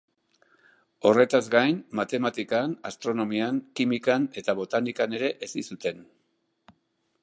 Horretaz gain, matematikan, astronomian, kimikan eta botanikan ere hezi zuten.